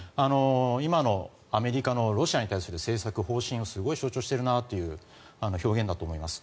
今のアメリカのロシアに対する政策、方針をすごい象徴しているなという表現だと思います。